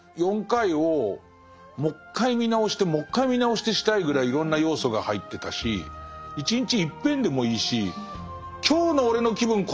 ４回をもう１回見直してもう１回見直してしたいぐらいいろんな要素が入ってたし１日１篇でもいいし今日の俺の気分